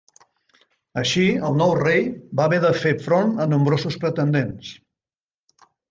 Així, el nou rei va haver de fer front a nombrosos pretendents.